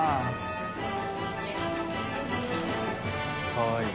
かわいい。